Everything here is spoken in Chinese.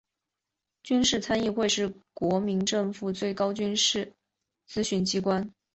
军事参议院是国民政府最高军事咨询机关。